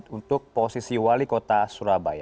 untuk posisi wali kota surabaya